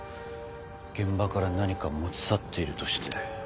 現場から何か持ち去っているとして。